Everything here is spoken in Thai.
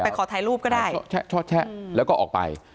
ขอถ่ายรูปก็ได้แชะแล้วก็ออกไป